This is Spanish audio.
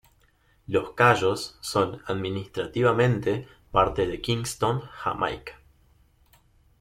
Los Cayos son administrativamente parte de Kingston, Jamaica.